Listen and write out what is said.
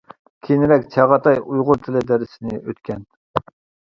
كېيىنرەك چاغاتاي ئۇيغۇر تىلى دەرسىنى ئۆتكەن.